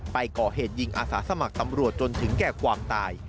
ไปก่อเหตุยิงอาสาสมัครตำรวจจนถึงแก่ความตาย